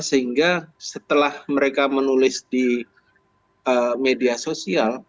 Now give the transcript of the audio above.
sehingga setelah mereka menulis di media sosial